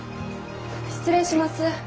失礼します。